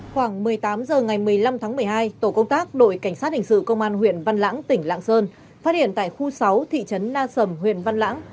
khoảng một mươi tám h ngày một mươi năm tháng một mươi hai tổ công tác đội cảnh sát hình sự công an huyện văn lãng tỉnh lạng sơn phát hiện tại khu sáu thị trấn na sầm huyện văn lãng